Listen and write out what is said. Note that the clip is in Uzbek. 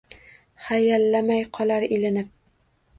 Hayallamay qolar ilinib.